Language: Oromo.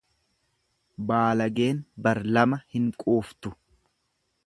Baalageen bar lama hin quuftu.